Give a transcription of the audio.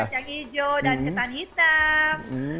kacang hijau dan ketan hitam